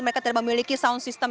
mereka tidak memiliki sound system